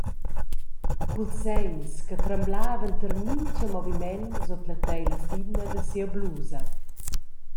Culs seins che tremblavan tier mintga moviment sut la teila fina da sia blusa.